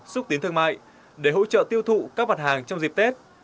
xúc tiến thương mại để hỗ trợ tiêu thụ các mặt hàng trong dịp tết